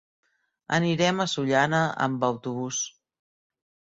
Anirem a Sollana amb autobús.